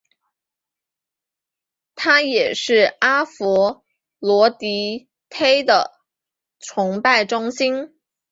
它也是阿佛罗狄忒的崇拜中心。